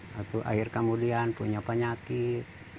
lalu akhir kemudian punya penyakit